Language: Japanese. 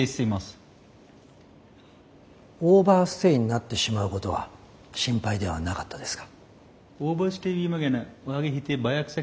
オーバーステイになってしまうことは心配ではなかったですか？